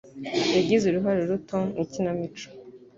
Yagize uruhare ruto mu ikinamico.